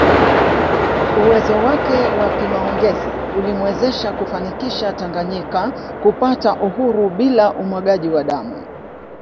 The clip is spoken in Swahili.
Uwezo wake wa kimaongezi ulimwezesha kufanikisha Tanganyika kupata uhuru bila umwagaji wa damu